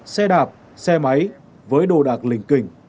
xe đạp xe máy với đồ đạc lình kình